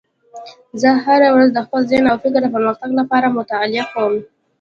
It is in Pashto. زه هره ورځ د خپل ذهن او فکر د پرمختګ لپاره مطالعه کوم